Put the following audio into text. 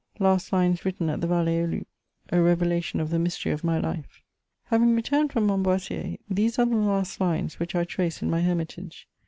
LAST LINES WBITTEN AT THE VALLBE AUX LOUPS — A REVELATION OF THE MYSTERY OF MY LIFE. , Having returned from Montboissier, these are the last hnes which I trace in my hermitage.